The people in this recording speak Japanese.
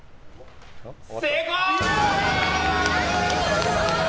成功！